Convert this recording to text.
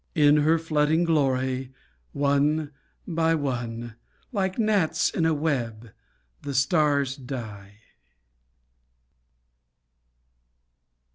In her flooding glory, one by one, Like gnats in a web the stars die.